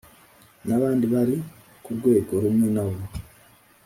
n’abandi bari ku rwego rumwe na bo.